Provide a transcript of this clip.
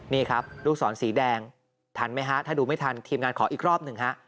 นี่ครับลูกศรสีแดงทันไหมฮะถ้าดูไม่ทันทีมงานขออีกรอบหนึ่งฮะ